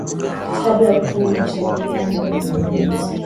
kabla ya kufanya mashauriano na viongozi